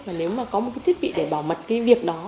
và nếu mà có một cái thiết bị để bảo mật cái việc đó